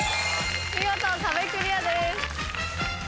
見事壁クリアです。